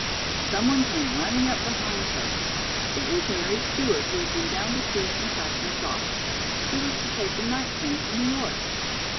Some one came running up behind her. It was Mary Stewart who had been down to see some classmates off. She was to take the night train to New York.